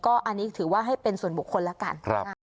อันนี้ถือว่าให้เป็นส่วนบุคคลแล้วกัน